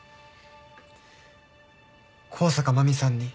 向坂麻美さんに。